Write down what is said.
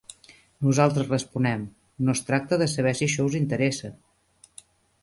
Nosaltres responem: no es tracta de saber si això us interessa.